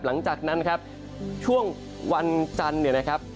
หลังจากนั้นครับช่วงวันจันทร์เนี่ยนะครับ